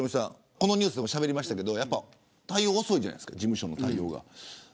このニュースしゃべりましたけど対応遅いじゃないですか事務所の対応が。